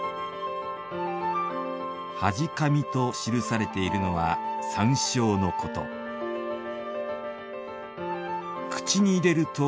「ハジカミ」と記されているのは山椒のこと。